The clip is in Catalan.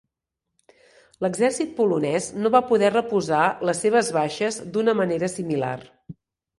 L'exèrcit polonès no va poder reposar les seves baixes d'una manera similar.